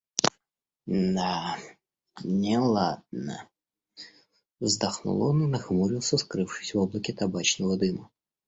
— Да, неладно, — вздохнул он и нахмурился, скрывшись в облаке табачного дыма.